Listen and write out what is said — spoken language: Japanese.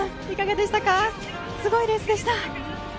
いかがでしたか？